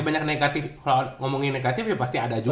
banyak negatif kalau ngomongin negatif ya pasti ada juga